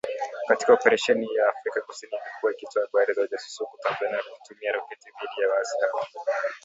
Katika Oparesheni hiyo, Afrika kusini ilikuwa ikitoa habari za ujasusi huku Tanzania wakitumia roketi dhidi ya waasi hao .